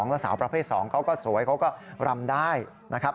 แล้วสาวประเภท๒เขาก็สวยเขาก็รำได้นะครับ